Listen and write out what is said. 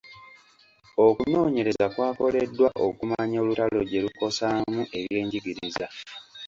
Okunoonyereza kwakoleddwa okumanya olutalo gye lukosaamu ebyenjigiriza.